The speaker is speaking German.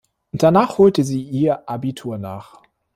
Danach holte sie ihr Abitur nach.